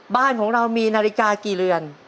บ้านของเรามีนาฬิกากี่เรือน